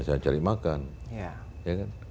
saya cari makan ya kan